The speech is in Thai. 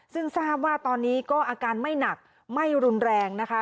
ซึ่งทราบว่าตอนนี้ก็อาการไม่หนักไม่รุนแรงนะคะ